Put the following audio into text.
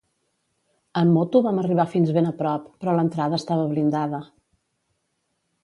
En moto, vam arribar fins ben a prop, però l'entrada estava blindada.